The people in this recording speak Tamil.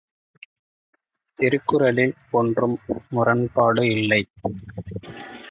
திருக்குறளில் ஒன்றும் முரண்பாடு இல்லை!